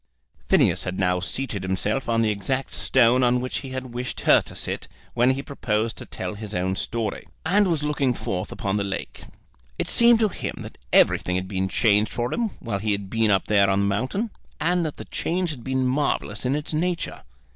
Phineas had now seated himself on the exact stone on which he had wished her to sit when he proposed to tell his own story, and was looking forth upon the lake. It seemed to him that everything had been changed for him while he had been up there upon the mountain, and that the change had been marvellous in its nature.